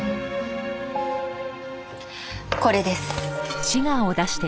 これです。